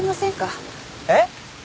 えっ？